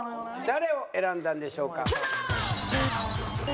誰を選んだんでしょうか？